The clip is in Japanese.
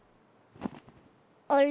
あれ？